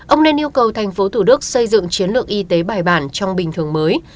ông nên yêu cầu tp thủ đức xây dựng chiến lược y tế bài bản trong bình thường mới